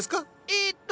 ええっと